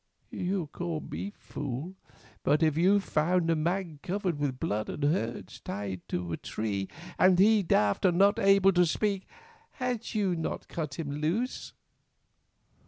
You call me fool—but if you found a man covered with blood and hurts tied to a tree, and he daft and not able to speak, had you not cut him loose?